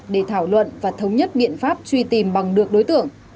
để thảo luận và thống nhất biện pháp truy tìm bằng được đối tượng